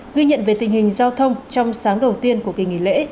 ghi nhận về tình hình giao thông trong sáng đầu tiên của kỳ nghỉ lễ